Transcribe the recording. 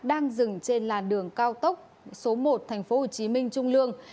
đang dừng trên làn đường cao tốc số một tp hcm trung lương